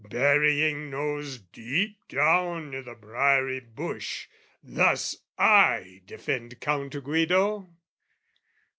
Burying nose deep down i' the briery bush, Thus I defend Count Guido.